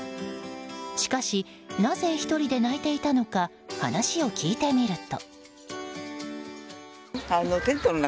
しかしなぜ１人で泣いていたのか話を聞いてみると。